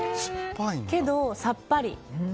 けど、さっぱり。